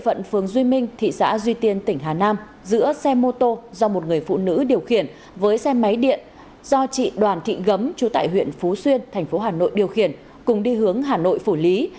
cơ quan cảnh sát điều tra công an thị xã duy tiên tỉnh hà nam giữa xe mô tô do một người phụ nữ điều khiển với xe máy điện do chị đoàn thị gấm trú tại huyện phú xuyên thành phố hà nội điều khiển cùng đi hướng hà nội phủ lý